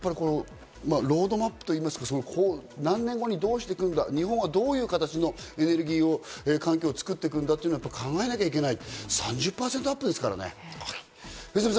ロードマップと言いますか、何年後にどうしていくんだ、日本はどういう形のエネルギー環境を作っていくんだということを考えなければいけない。